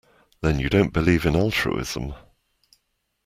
Then you don't believe in altruism.